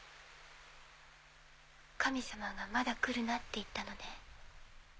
神様が「まだ来るな」って言ったのね。